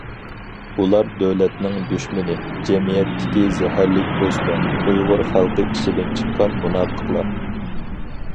ئۇلار دۆلەتنىڭ دۈشمىنى، جەمئىيەتتىكى« زەھەرلىك ئۆسمە»، ئۇيغۇر خەلقى ئىچىدىن چىققان مۇناپىقلار!